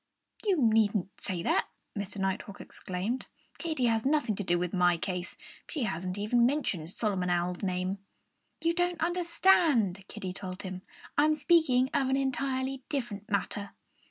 _" "You needn't say that!" Mr. Nighthawk exclaimed. "Katy has nothing to do with my case. She hasn't even mentioned Solomon Owl's name." "You don't understand," Kiddie told him. "I'm speaking of an entirely different matter."